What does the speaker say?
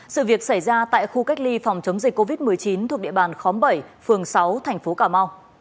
sự việc xảy ra tại khu cách ly phòng chống dịch covid một mươi chín thuộc địa bàn khóm bảy phường sáu tp hcm